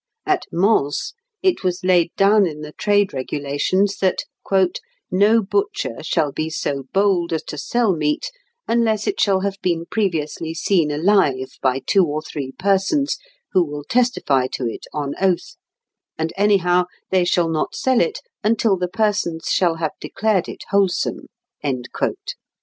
At Mans, it was laid down in the trade regulations, that "no butcher shall be so bold as to sell meat unless it shall have been previously seen alive by two or three persons, who will testify to it on oath; and, anyhow, they shall not sell it until the persons shall have declared it wholesome," &c.